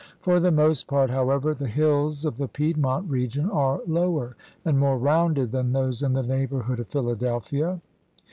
For the most part, however, the hills of the Piedmont region are lower and more rounded than those in the neighborhood of Phila delphia.